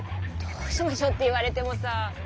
どうしましょうって言われてもさ。